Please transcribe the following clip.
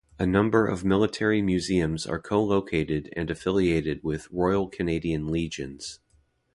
A number of military museums are co-located and affiliated with Royal Canadian Legions.